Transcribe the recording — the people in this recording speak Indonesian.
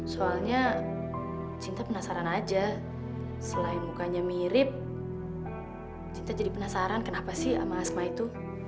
soalnya cinta penasaran aja selain mukanya mirip cinta jadi penasaran kenapa sih sama asma itu